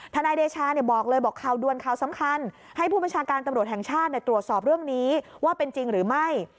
นายเดชาบอกเลยบอกข่าวดวนข่าวสำคัญให้ผู้บัญชาการตำรวจแห่งชาติตรวจสอบเรื่องนี้ว่าเป็นจริงหรือไม่